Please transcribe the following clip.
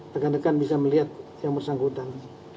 dekan dekan bisa melihat yang bersangkutan